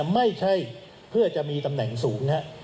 ไม่ใช่เพื่อจะมีตำแหน่งสูง